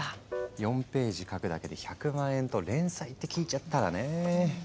４ページ描くだけで１００万円と連載って聞いちゃったらね。